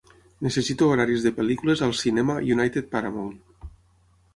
Necessito horaris de pel·lícules als cinema United Paramount.